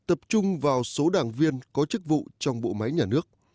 tập trung vào số đảng viên có chức vụ trong bộ máy nhà nước